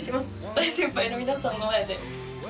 大先輩の皆さんの前で。